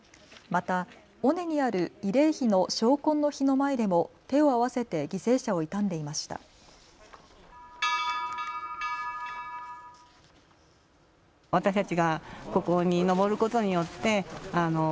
また尾根にある慰霊碑の昇魂之碑の前でも手を合わせて犠牲者を悼んでいました。